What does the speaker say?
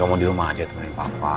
gak mau di rumah aja temenin papa